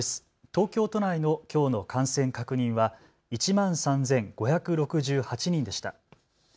東京都内のきょうの感染確認は１万３５６８人でした。